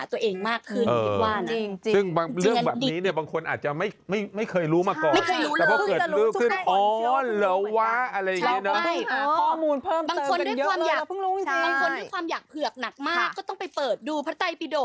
ด้วยความอยากเผื่อกหนักมากก็ต้องไปเปิดดูพระไตยปิโดป